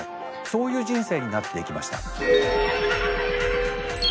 そういう人生になっていきました。